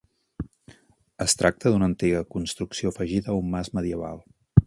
Es tracta d'una antiga construcció afegida a un mas medieval.